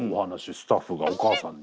スタッフがお母さんに。